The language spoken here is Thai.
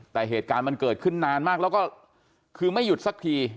แต่เหตุการณ์มันเกิดขึ้นนานมากแล้วก็คือไม่หยุดสักที